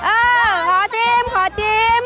เออขอชิมขอจิ้ม